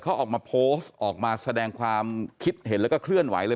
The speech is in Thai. เขาออกมาโพสต์ออกมาแสดงความคิดเห็นแล้วก็เคลื่อนไหวเลย